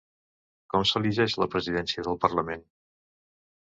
Com s’elegeix la presidència del parlament?